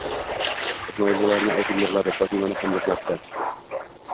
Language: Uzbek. Ismoil bularni aytib yig'ladi, Fotimani ham yig'latdi.